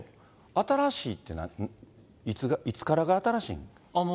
新しいって、いつからが新しいの？